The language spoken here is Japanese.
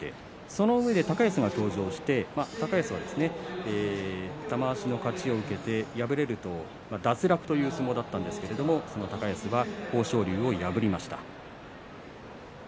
そのあと高安が登場して玉鷲の勝ちを受けて敗れると脱落という相撲だったんですけれど高安は豊昇龍を破りました。